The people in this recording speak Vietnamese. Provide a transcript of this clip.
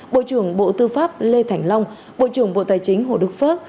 bộ trưởng bộ tư pháp lê thành long bộ trưởng bộ tài chính hồ đức phước